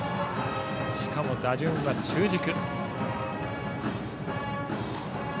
しかも打順は中軸。